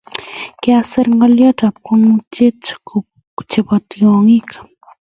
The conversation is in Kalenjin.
Kyageer ngolyotab kwangutyiet chebo tyongik